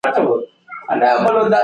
که رنګ روښانه وي نو انځور نه توریږي.